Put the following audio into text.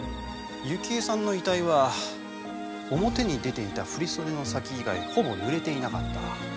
雪枝さんの遺体は表に出ていた振り袖の先以外ほぼ濡れていなかった。